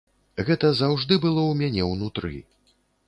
Гэта заўжды было ў мяне ўнутры.